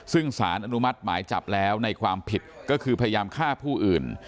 ซึ่งสารอนุมัติหมายจับแล้วในความผิดก็คือพยายามฆ่าผู้อื่น